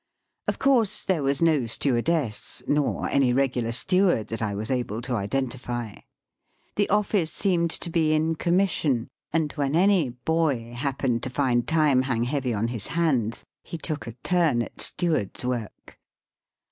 Of course there was no stewardess, nor any regular steward that I was able to identify. The office seemed to be in commission, and when any "boy" happened to find time hang heavy on his hands he took a turn at steward's work.